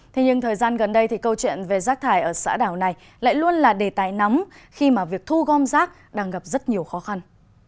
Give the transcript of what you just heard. thế nhưng thời gian gần đây thì câu chuyện về rác thải ở xã đảo này lại luôn là đề tài nóng khi mà việc thu gom rác đang gặp rất nhiều khó khăn